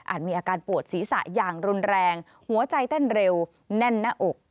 มีอาการปวดศีรษะอย่างรุนแรงหัวใจเต้นเร็วแน่นหน้าอก